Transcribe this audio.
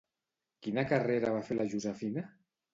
Quina carrera va fer la Josefina?